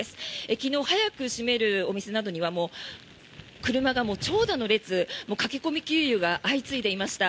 昨日、早く閉めるお店などには車が長蛇の列、駆け込み給油が相次いでいました。